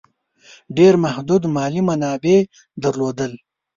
ډېر محدود مالي منابع درلودل.